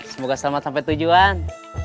semoga selamat sampai tujuan